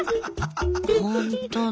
ほんとに。